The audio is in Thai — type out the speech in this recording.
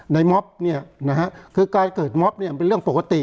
ม็อบเนี่ยนะฮะคือการเกิดม็อบเนี่ยเป็นเรื่องปกติ